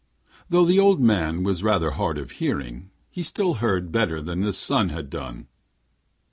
Though the old man was rather hard of hearing, he still heard better than his son had done.